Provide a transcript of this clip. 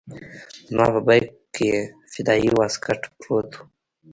زما په بېګ کښې فدايي واسکټ پروت و.